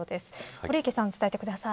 堀池さん、伝えてください。